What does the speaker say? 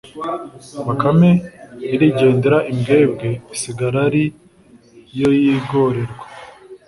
Bakame irigendera Imbwebwe isigara ari yoyigorerwa